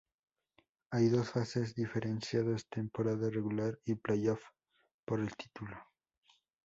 Hay dos fases diferenciadas: temporada regular y "play-off" por el título.